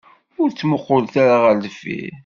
Ur ttmuqqulet ara ɣer deffir.